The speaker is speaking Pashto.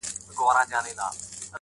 o چي پیسې لري بس هغه دي ښاغلي,